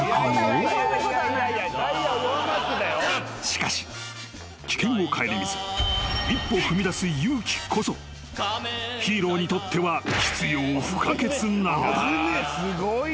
［しかし危険を顧みず一歩踏み出す勇気こそヒーローにとっては必要不可欠なのだ］